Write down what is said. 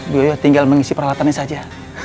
beliau tinggal mengisi peralatannya saja